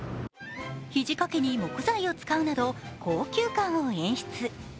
肘掛けに木材を使うなど高級感を演出。